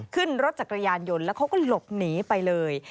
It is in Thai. ขึ้นรถจักรยานยนต์แล้วเขาก็หลบหนีไปเลย